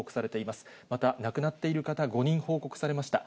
また、亡くなっている方５人報告されました。